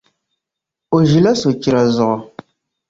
O ʒiɛla sochira zuɣu.